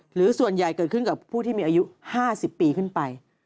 หรือส่วนใหญ่เกิดขึ้นกับผู้ที่มีอายุ๕๐ปีขึ้นไป